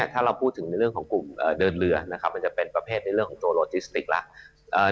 ถ้าเราพูดถึงในเรื่องของกลุ่มเดินเรือนะครับมันจะเป็นประเภทในเรื่องของตัวโลจิสติกแล้ว